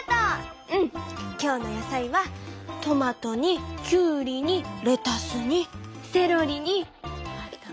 今日の野菜はトマトにきゅうりにレタスにセロリに。